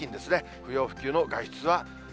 不要不急の外出は。